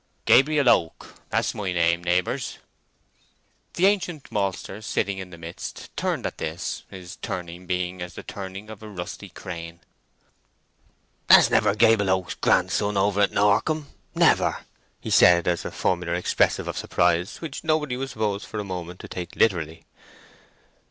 "Gabriel Oak, that's my name, neighbours." The ancient maltster sitting in the midst turned at this—his turning being as the turning of a rusty crane. "That's never Gable Oak's grandson over at Norcombe—never!" he said, as a formula expressive of surprise, which nobody was supposed for a moment to take literally.